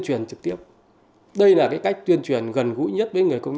truyền trực tiếp đây là cái cách tuyên truyền gần gũi nhất với người công nhân các đồng chí công nhân